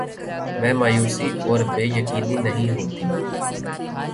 میں مایوسی اور بے یقینی نہیں ہوتی